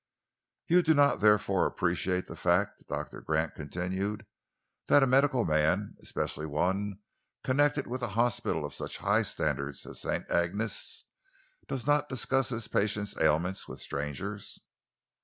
"You do not, therefore, appreciate the fact," Doctor Gant continued, "that a medical man, especially one connected with a hospital of such high standing as St. Agnes's, does not discuss his patient's ailments with strangers."